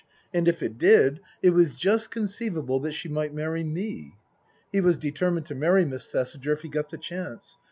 And if it did, it was just conceivable that she might marry me. He was determined to marry Miss Thesiger if he got the chance.